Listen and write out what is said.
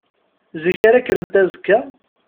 Zik ara kkrent azekka?